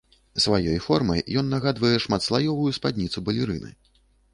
Сваёй формай ён нагадвае шматслаёвую спадніцу балерыны.